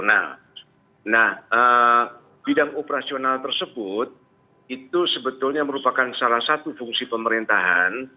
nah bidang operasional tersebut itu sebetulnya merupakan salah satu fungsi pemerintahan